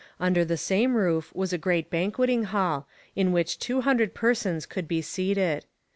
Under the same roof was a great banqueting hall, in which two hundred persons could be seated.